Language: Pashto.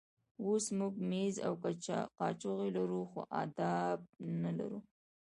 اوس موږ مېز او کاچوغې لرو خو آداب نه لرو.